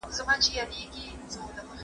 زما کڅوړه درنه ده.